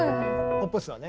ポップスはね。